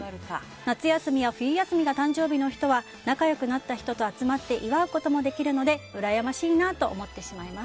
夏休みや冬休みが誕生日の人は仲良くなった人と集まって祝うこともできるのでうらやましいなと思ってしまいます。